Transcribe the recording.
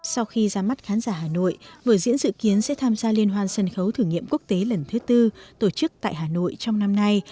sau khi ra mắt khán giả hà nội vở diễn dự kiến sẽ tham gia liên hoan sân khấu thử nghiệm quốc tế lần thứ tư tổ chức tại hà nội trong năm nay